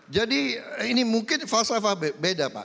jadi ini mungkin falsafah beda pak